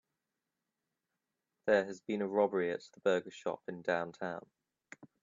There has been a robbery at the burger shop in downtown.